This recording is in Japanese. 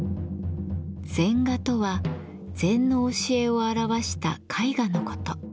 禅画とは禅の教えを表した絵画のこと。